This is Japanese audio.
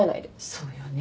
そうよね。